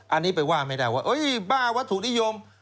อันนี้ไปว่าไม่ได้ว่าบ้าวัตถุนิยม